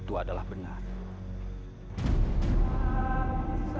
silahkan kami ber meetings kami